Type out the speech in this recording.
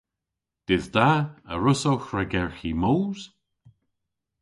Dydh da. A wrussowgh ragerghi moos?